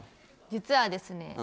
実はですね